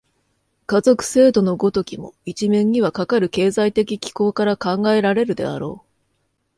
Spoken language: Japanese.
家族制度の如きも、一面にはかかる経済的機構から考えられるであろう。